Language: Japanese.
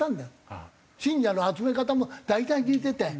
信者の集め方も大体似てて。